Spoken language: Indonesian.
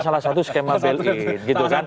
salah satu skema bail in